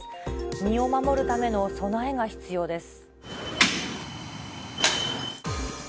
身を守るための備えが必要です。